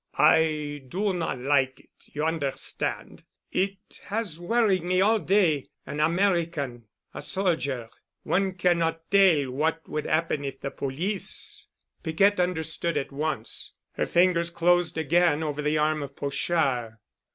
"I do not like it, you understand. It has worried me all day—an American—a soldier. One cannot tell what would happen if the police——" Piquette understood at once. Her fingers closed again over the arm of Pochard.